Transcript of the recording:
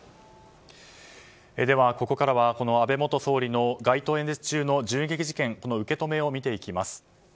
ではここからはこの安倍元総理の街頭演説中の銃撃事件この受け止めを見ていきます。